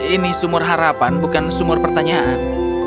ini sumur harapan bukan sumur pertanyaan